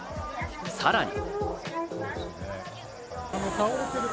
さらに。